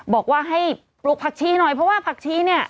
บอกว่าให้ปลูกผักชีหน่อยเพราะว่าผักชีเนี่ย